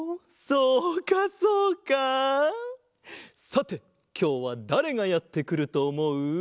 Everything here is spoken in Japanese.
さてきょうはだれがやってくるとおもう？